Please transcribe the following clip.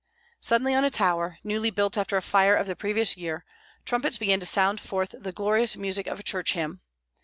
Suddenly on a tower, newly built after a fire of the previous year, trumpets began to sound forth the glorious music of a church hymn.